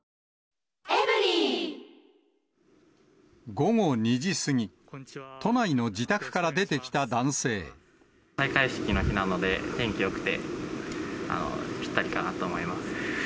午後２時過ぎ、都内の自宅か開会式の日なので、天気よくて、ぴったりかなと思います。